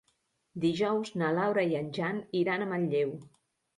Dijous na Laura i en Jan iran a Manlleu.